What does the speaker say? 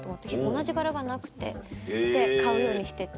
同じ柄がなくてで買うようにしてて。